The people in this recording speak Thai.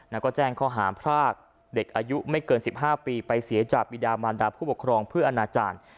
แล้วก็แจ้งข้อหามพรากเด็กอายุไม่เกิน๑๕ปีไปเสียจากบิดามันดาผู้ปกครองเพื่ออนาจารย์